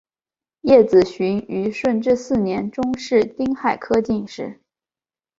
叶子循于顺治四年中式丁亥科进士。